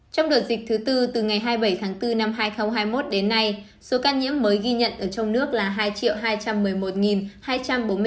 trong đợt dịch thứ tư từ ngày hai mươi bảy tháng bốn năm hai nghìn hai mươi một đến nay số ca nhiễm mới ghi nhận ở trong nước là hai hai trăm một mươi một hai trăm bốn mươi ca